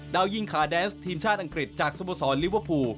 ยิงขาแดนส์ทีมชาติอังกฤษจากสโมสรลิเวอร์พูล